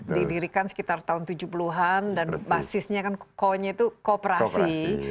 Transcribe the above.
didirikan sekitar tahun tujuh puluh an dan basisnya kan koinya itu kooperasi